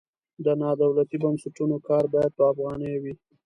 د نادولتي بنسټونو کار باید په افغانیو وي.